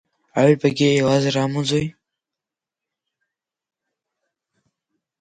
Аҩбагьы еилазар амуӡои?